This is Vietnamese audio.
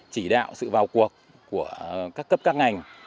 chỉ đạo sự vào cuộc của các cấp các ngành